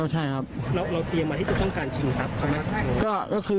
แล้วเตรียมมาที่จะต้องการชิงทรัพย์เขาไหม